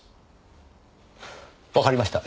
わかりました。